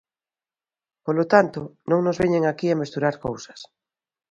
Polo tanto, non nos veñan aquí a mesturar cousas.